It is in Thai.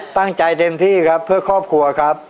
เต็มที่ครับเพื่อครอบครัวครับ